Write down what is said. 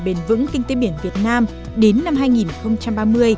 bền vững kinh tế biển việt nam đến năm hai nghìn ba mươi